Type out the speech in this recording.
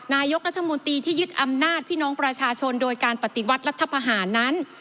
นายกรัฐมนตรีที่ยึดอำนาจพี่น้องประชาชนโดยการปฏิวัติรัฐพาหารนั้น